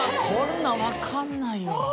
こんなん分かんないよ。